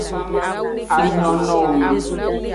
A nyonowo wu.